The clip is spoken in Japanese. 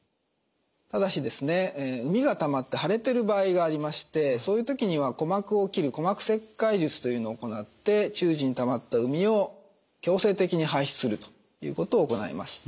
ただしうみがたまって腫れてる場合がありましてそういう時には鼓膜を切る鼓膜切開術というのを行って中耳にたまったうみを強制的に排出するということを行います。